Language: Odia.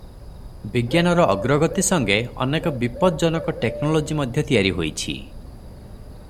ବିଜ୍ଞାନର ଅଗ୍ରଗତି ସଙ୍ଗେ ଅନେକ ବିପଦଜନକ ଟେକନୋଲୋଜି ମଧ୍ୟ ତିଆରି ହୋଇଛି ।